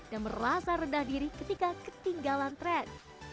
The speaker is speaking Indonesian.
dan merasa rendah diri ketika ketinggalan tren